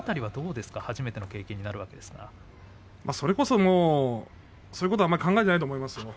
この辺りはそれこそ、そういうことはあまり考えていないと思いますよ。